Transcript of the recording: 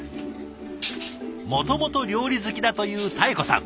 もともと料理好きだという多恵子さん。